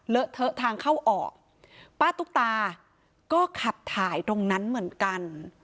เทอะทางเข้าออกป้าตุ๊กตาก็ขับถ่ายตรงนั้นเหมือนกัน